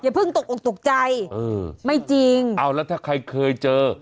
เพิ่งตกออกตกใจเออไม่จริงเอาแล้วถ้าใครเคยเจอ